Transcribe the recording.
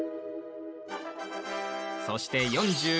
そして４５日後。